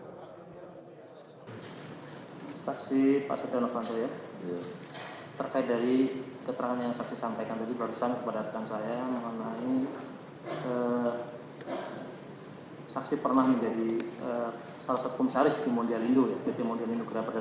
saksi pak setia novanto ya terkait dari keterangan yang saksi sampaikan tadi